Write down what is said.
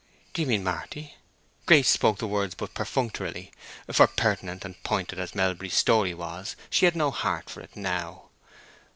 "Do you mean Marty?" Grace spoke the words but perfunctorily. For, pertinent and pointed as Melbury's story was, she had no heart for it now.